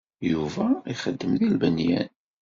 Yuba ixeddem deg lbenyan.